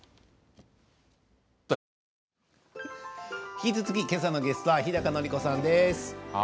引き続き、今朝のゲストは日高のり子さんです。